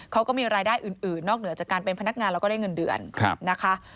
เขาก็มีรายได้อื่นนอกเหนือจากการเป็นพนักงานแล้วก็ได้เงินเดือนนะคะ